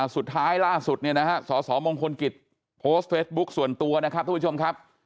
ล่าสุดเนี่ยนะฮะสสมงคลกิจโพสต์เฟซบุ๊คส่วนตัวนะครับทุกผู้ชมครับ